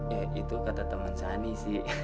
ya itu kata teman sani sih